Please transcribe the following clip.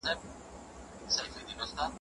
کتاب د فکر د تمرین وسیله ده.